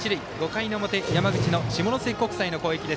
５回の表、山口の下関国際の攻撃。